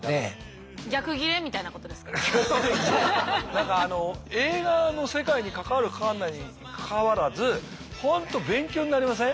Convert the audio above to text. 何かあの映画の世界に関わる関わらないにかかわらず本当勉強になりません？